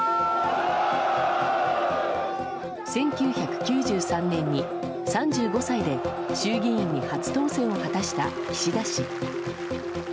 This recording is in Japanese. １９９３年に３５歳で衆議院に初当選を果たした岸田氏。